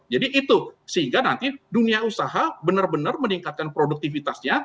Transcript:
jadi itu sehingga nanti dunia usaha benar benar meningkatkan produktivitasnya